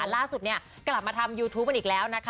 ล่าสุดกลับมาทำยูทูปกันอีกแล้วนะคะ